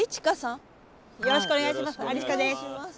よろしくお願いします。